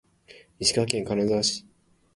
石川県金沢市